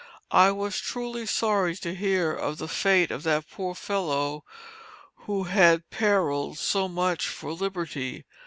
I was truly sorry to hear of the fate of that poor fellow who had periled so much for liberty.